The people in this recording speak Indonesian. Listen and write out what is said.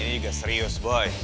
ini juga serius boy